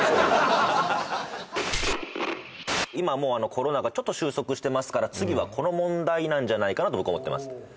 今もうコロナがちょっと収束してますから次はこの問題なんじゃないかなと僕は思ってます